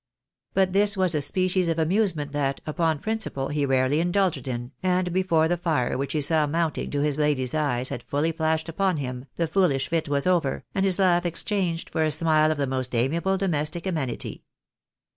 But this was a species of amusement that, upon prin ciple, he rarely indulged in, and before the fire which he saw mounting to his lady's eyes had fully flashed upon him, the foohsh. fit was over, and his laugh exchanged for a smile of the most amiable domestic amenity.